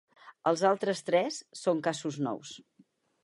Els altres tres són casos nous.